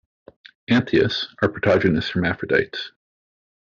Anthias are protogynous hermaphrodites.